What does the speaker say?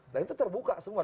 dan itu terbuka semua